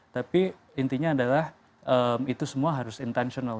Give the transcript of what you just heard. tapi intinya adalah itu semua harus intentional